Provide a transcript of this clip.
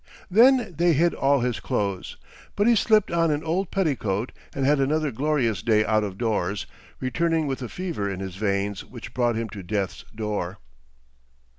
Then they hid all his clothes, but he slipped on an old petticoat and had another glorious day out of doors, returning with a fever in his veins which brought him to death's door.